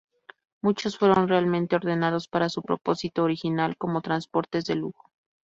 Muchos fueron realmente ordenados para su propósito original como transportes de lujo.